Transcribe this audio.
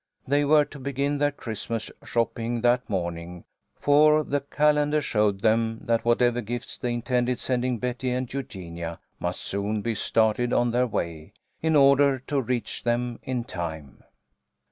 They were to begin their Christmas shopping that morning, for the calendar showed them that whatever gifts they intended sending Betty and Eugenia must soon be started on their way, in order to reach them in time.